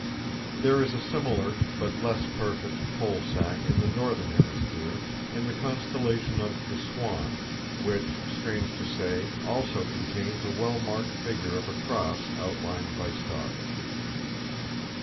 There is a similar, but less perfect, "coal sack" in the northern hemisphere, in the constellation of "The Swan," which, strange to say, also contains a well marked figure of a cross outlined by stars.